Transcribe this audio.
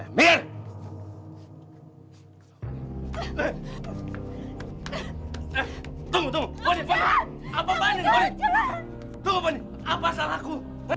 tunggu tunggu apaan ini apa salahku